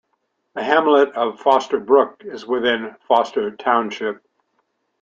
The hamlet of Foster Brook is within Foster Township.